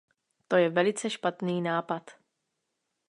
To je velice špatný nápad.